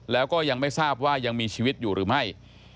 แล้วก็ยังไม่ทราบว่ายังมีชีวิตอยู่หรือไม่